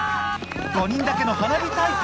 ５人だけの花火大会